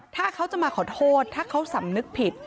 ถ้าเขาจะมาขอโทษถ้าเขาสำนึกผิด